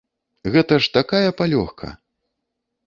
Гэта ж такая палёгка!